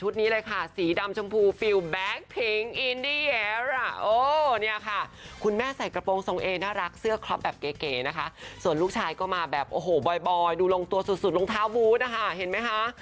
ดูลงตัวสุดลงเท้าบูธนะคะเห็นไหมคะ